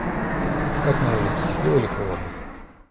Как на улице тепло или холодно?